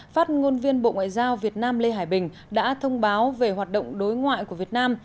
phát ngôn viên bộ ngoại giao việt nam lê hải bình đã thông báo về hoạt động đối ngoại của việt nam